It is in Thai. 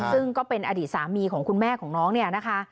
ซึ่งก็เป็นอดีตสามีของคุณแม่ของน้องเนี่ยนะคะ